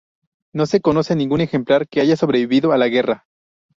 No se conoce ningún ejemplar que haya sobrevivido a la guerra.